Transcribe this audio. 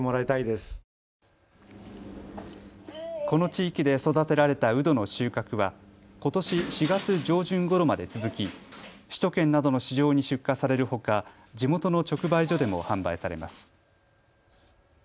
この地域で育てられたうどの収穫はことし４月上旬ごろまで続き首都圏などの市場に出荷されるほか地元の直売所でも販売されます。